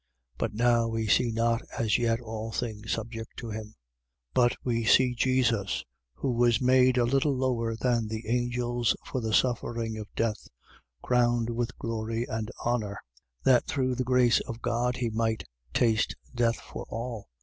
But now we see not as yet all things subject to him. 2:9. But we see Jesus, who was made a little lower than the angels, for the suffering of death, crowned with glory and honour: that, through the grace of God he might taste death for all.